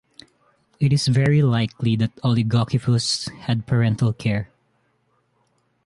It is very likely that "Oligokyphus" had parental care.